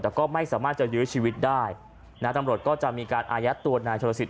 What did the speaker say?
แต่ก็ไม่สามารถจะยื้อชีวิตได้นะตำรวจก็จะมีการอายัดตัวนายชนสิท